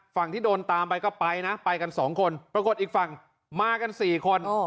ที่โดนตามไปก็ไปนะไปกันสองคนปรากฏอีกฝั่งมากัน๔คน